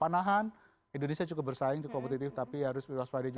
panahan indonesia cukup bersaing cukup kompetitif tapi harus berwaspada di thailand